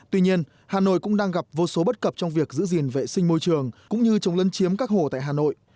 tuy nhiên hà nội cũng đang gặp vô số bất cập trong việc giữ gìn vệ sinh môi trường cũng như chống lân chiếm các hồ tại hà nội